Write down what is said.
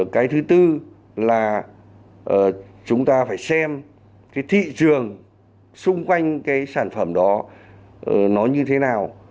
cái thứ tư là chúng ta phải xem thị trường xung quanh sản phẩm đó như thế nào